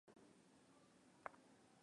wafaransa walitaka kumuua malkia mary stuart